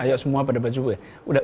ayo semua pada baca buku ya